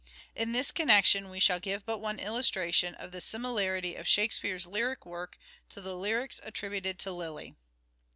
In this connection we shall give but one illustration of the similarity of " Shakespeare's " lyric work to the lyrics attributed to Lyly.